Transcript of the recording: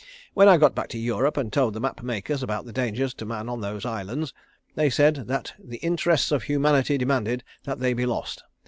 When I got back to Europe and told the map makers about the dangers to man on those islands, they said that the interests of humanity demanded that they be lost.